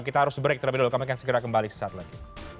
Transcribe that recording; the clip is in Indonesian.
kita harus break terlebih dahulu kami akan segera kembali sesaat lagi